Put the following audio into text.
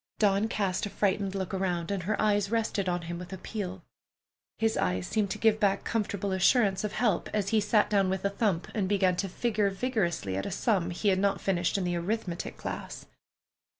Dawn cast a frightened look around, and her eyes rested on him with appeal. His eyes seemed to give back comfortable assurance of help as he sat down with a thump and began to figure vigorously at a sum he had not finished in the arithmetic class.